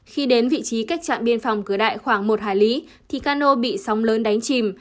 khi đến vị trí cách trạm biên phòng cửa đại khoảng một hải lý thì cano bị sóng lớn đánh chìm